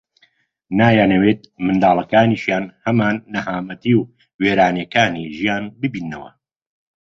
نایانەوێت منداڵەکانیشیان هەمان نەهامەتی و وێرانەییەکانی ژیان ببیننەوە